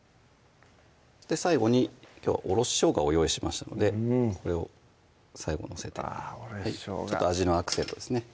最後にきょうはおろししょうがを用意しましたのでこれを最後載せて味のアクセントですね